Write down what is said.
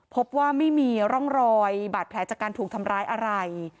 พบว่าไม่มีร่องรอยบาดแผลจากการถูกทำร้ายอะไร